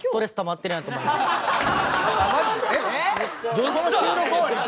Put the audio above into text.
どうした？